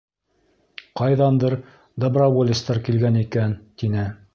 Ҡайҙандыр доброволецтар килгән икән, — тине.